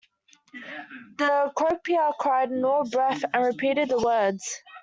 The croupier cried, all in a breath - and repeated the words.